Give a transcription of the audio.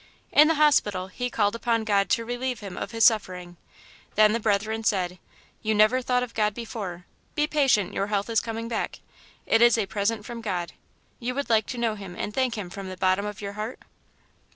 In the hospital he called upon God to relieve him of his suffering; then the Brethren said, "You never thought of God before. Be patient, your health is coming back; it is a present from God; you would like to know Him and thank Him from the bottom of your heart?"